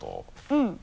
うん。